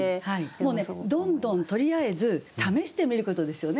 もうねどんどんとりあえず試してみることですよね。